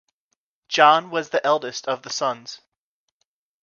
John was the eldest of the sons.